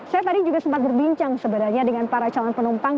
saya tadi juga sempat berbincang sebenarnya dengan para calon penumpang